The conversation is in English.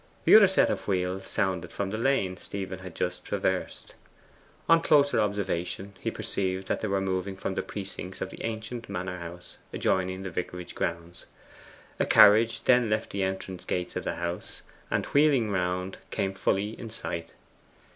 The other set of wheels sounded from the lane Stephen had just traversed. On closer observation, he perceived that they were moving from the precincts of the ancient manor house adjoining the vicarage grounds. A carriage then left the entrance gates of the house, and wheeling round came fully in sight.